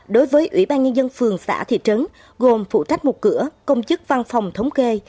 đối với ủy ban nhân dân phường xã thị trấn gồm phụ trách một cửa công chức văn phòng thống kê